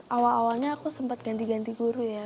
awal awalnya aku sempat ganti ganti guru ya